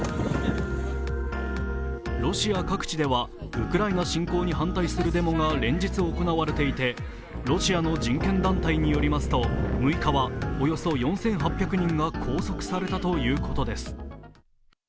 ロシア各地ではウクライナ侵攻に反対するデモが連日行われていて、ロシアの人権団体によりますと６日はおよそ４８００人が拘束されたということです。